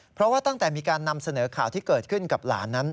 เพราะว่าตั้งแต่มีการนำเสนอข่าวที่เกิดขึ้นกับหลานนั้น